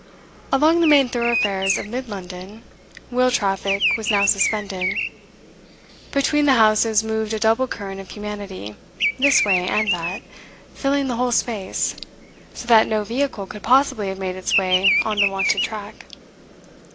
Along the main thoroughfares of mid London, wheel traffic was now suspended; between the houses moved a double current of humanity, this way and that, filling the whole space, so that no vehicle could possibly have made its way on the wonted track.